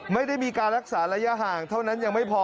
ไม่ได้มีการรักษาระยะห่างเท่านั้นยังไม่พอ